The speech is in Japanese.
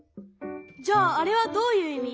じゃああれはどういういみ？